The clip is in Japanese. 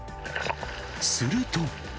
すると。